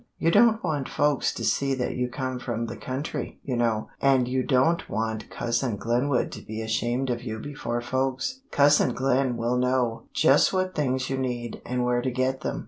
You don't want folks to see that you come from the country, you know, and you don't want Cousin Glenwood to be ashamed of you before folks. Cousin Glen will know just what things you need and where to get them.'